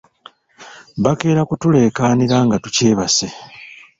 Bakeera kutuleekaanira nga tukyebase.